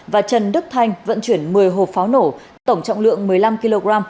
và trần đức thanh vận chuyển một mươi hộp pháo nổ tổng trọng lượng một mươi năm kg